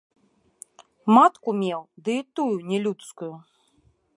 Матку меў ды і тую не людскую.